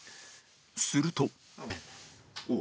すると